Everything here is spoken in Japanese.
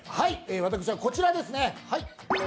私はこちらですね。